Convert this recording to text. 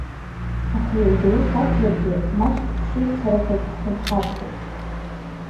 Аха иага ус акәзаргьы, маҷк хшыҩзцарақәак ҳнархьаԥшып.